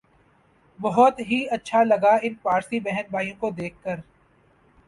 ہت ھی اچھا لگا ان پارسی بہن بھائیوں کو دیکھ کر